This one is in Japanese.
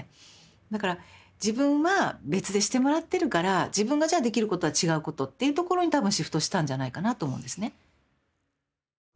だから自分は別でしてもらってるから自分がじゃあできることは違うことっていうところに多分シフトしたんじゃないかなと思うんですね。